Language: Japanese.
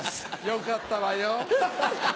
よかったわよ。